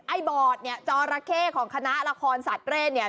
บอร์ดเนี่ยจอระเข้ของคณะละครสัตว์เร่เนี่ย